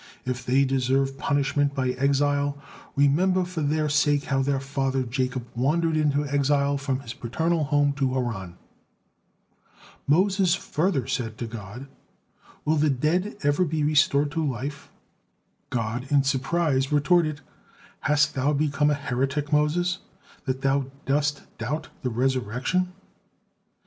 If they deserve punishment by exile, remember for their sake how their father Jacob wandered into exile from his paternal home to Haran." Moses furthermore said to God: "Will the dead ever be restored to life?" God in surprise retorted: "Hast thou become a heretic, Moses, that thou dost doubt the resurrection?"